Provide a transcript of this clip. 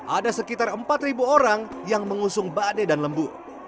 ada sekitar empat orang yang mengusung badai dan lembu